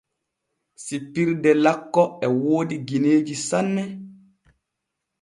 Sippirde lakko e woodi gineeji sanne.